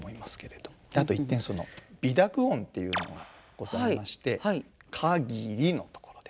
あと一点鼻濁音というのがございまして「かぎり」のところですね。